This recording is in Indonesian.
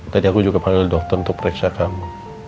tadi aku juga panggil dokter untuk periksa kamu